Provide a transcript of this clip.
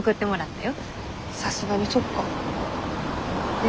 さすがにそっか。